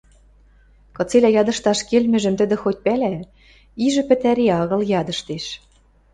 Кыцелӓ ядышташ келмӹжӹм тӹдӹ хоть пӓлӓ, ижӹ пӹтӓри агыл ядыштеш.